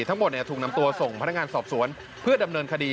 ทั้งหมดเนี่ยทุ่งน้ำตัวส่งพนักงานสอบสวนเพื่อดำเนินคณี